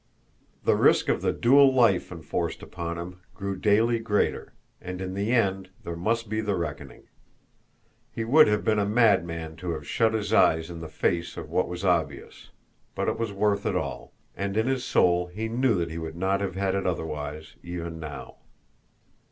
The risk of the dual life enforced upon him grew daily greater, and in the end there must be the reckoning. He would have been a madman to have shut his eyes in the face of what was obvious but it was worth it all, and in his soul he knew that he would not have had it otherwise even now.